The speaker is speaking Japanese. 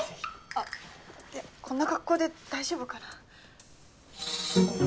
あっこんな格好で大丈夫かな？